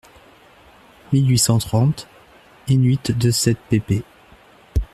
(mille huit cent trente), in-huit de sept pp.